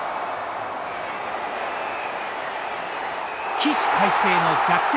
起死回生の逆転